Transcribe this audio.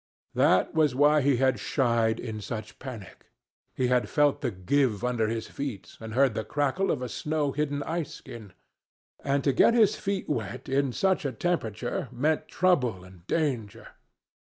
That was why he had shied in such panic. He had felt the give under his feet and heard the crackle of a snow hidden ice skin. And to get his feet wet in such a temperature meant trouble and danger.